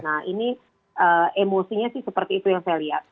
nah ini emosinya sih seperti itu yang saya lihat